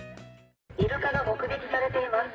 イルカが目撃されています。